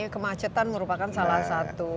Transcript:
kemacetan merupakan salah satu